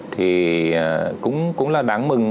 thì cũng là đáng mừng